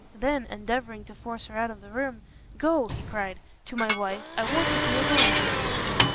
then, endeavouring to force her out of the room, "Go," he cried, "to my wife; I want to be alone!"